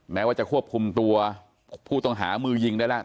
แม้ว่าจะควบคุมตัวผู้ต้องหามือยิงได้แล้ว